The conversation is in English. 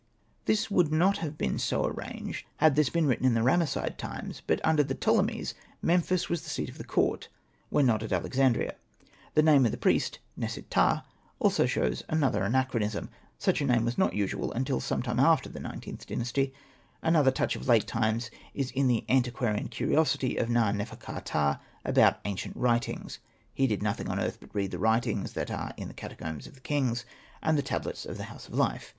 This would not have bee.i so arranged had this been written in the Ramesside times, but under the Ptolemies Memphis was the seat of the court — when not at Alexandria. The name of the priest, Nesi ptah, also shows another anachronism. Such a name was not usual till some time after the XlXth Dynasty. Another touch of late times is in the anti quarian curiosity of Na.nefer.ka.ptah about ancient writings, '' He did nothing on earth but read the writings that are in the cata combs of the kings, and the tablets of the House of Life."